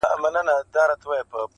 o خداى خپل بنده گوري، بيا پر اوري٫